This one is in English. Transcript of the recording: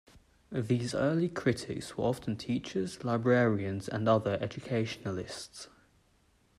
These early critics were often teachers, librarians and other educationalists.